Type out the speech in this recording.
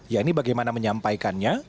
yakni bagaimana menyampaikannya